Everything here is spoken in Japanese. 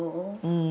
うん。